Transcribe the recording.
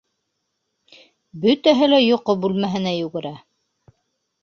Бөтәһе лә йоҡо бүлмәһенә йүгерә.